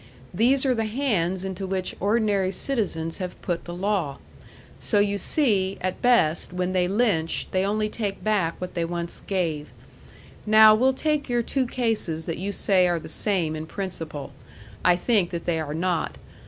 These are the hands into which ordinary citizens have put the law. So you see, at best, when they lynch they only take back what they once gave. Now we'll take your two cases that you say are the same in principle. I think that they are not.